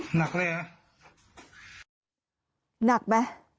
หนักไหม